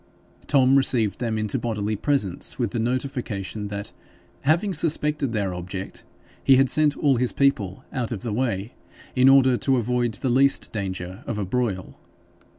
Tom received them into bodily presence with the notification that, having suspected their object, he had sent all his people out of the way, in order to avoid the least danger of a broil.